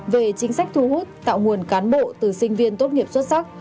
về chính sách thu hút tạo nguồn cán bộ từ sinh viên tốt nghiệp xuất sắc